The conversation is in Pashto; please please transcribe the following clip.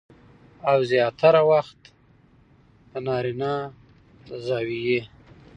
او زياتره وخت د نارينه د زاويې